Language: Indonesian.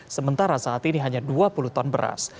sementara saat ini hanya dua puluh ton beras